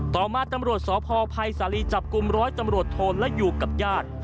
ต่อมาตำรวจสพภัยสาลีจับกลุ่มร้อยตำรวจโทนและอยู่กับญาติ